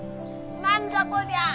なんじゃこりゃあぁ！